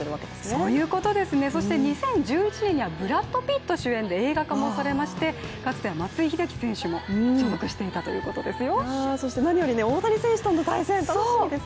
そういうことですね、そして２０１１年にはブラッド・ピット主演で映画化もされまして、かつては松井秀喜選手も所属されていたということですよ。